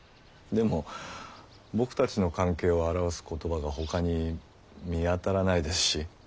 でも僕たちの関係を表す言葉がほかに見当たらないですし。